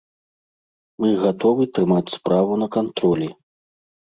Мы гатовы трымаць справу на кантролі.